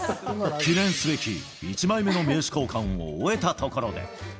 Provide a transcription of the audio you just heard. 記念すべき１枚目の名刺交換を終えたところで。